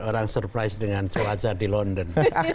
orang surprise dengan cuaca di london